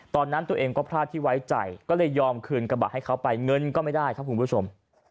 ตอนนั้นตัวเองก็พลาดที่ไว้ใจก็เลยยอมคืนกระบะให้เขาไปเงินก็ไม่ได้ครับคุณผู้ชม